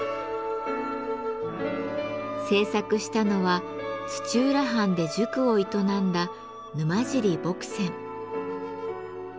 制作したのは土浦藩で塾を営んだ沼尻墨僊。